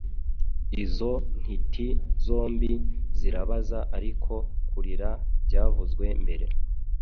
izo ntiti zombi zirabaza Ariko kurira byavuzwe mbere